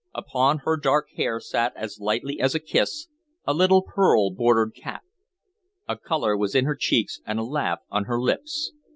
Upon her dark hair sat, as lightly as a kiss, a little pearl bordered cap. A color was in her cheeks and a laugh on her lips.